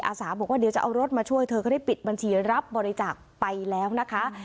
อาสาบแล้วเดี๋ยวในวันแรกมาช่วยเธอก็ได้ปิดบัญชีรับบริจาคไปแล้วนะคะ